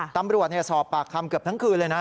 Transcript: ตำรวจสอบปากคำเกือบทั้งคืนเลยนะ